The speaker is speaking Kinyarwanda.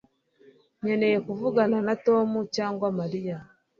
Nkeneye kuvugana na Tom cyangwa Mariya